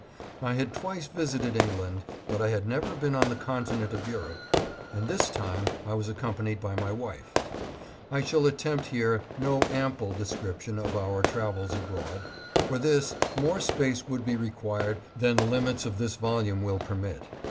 I had twice visited England, but I had never been on the conti nent of Europe, and this time I was accompanied by my wife. I shall attempt here no ample description of our travels abroad. For this more space would be required than the limits of this volume will permit.